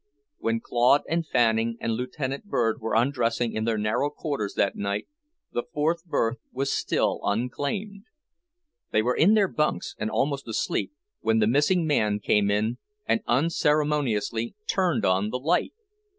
When Claude and Fanning and Lieutenant Bird were undressing in their narrow quarters that night, the fourth berth was still unclaimed. They were in their bunks and almost asleep, when the missing man came in and unceremoniously turned on the light.